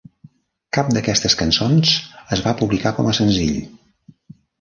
Cap d'aquestes cançons es va publicar com a senzill.